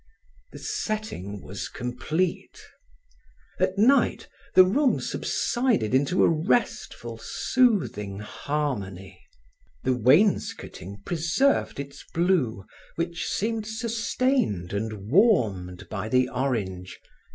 The setting was complete. At night the room subsided into a restful, soothing harmony. The wainscoting preserved its blue which seemed sustained and warmed by the orange.